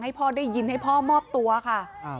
พ่อได้ยินให้พ่อมอบตัวค่ะ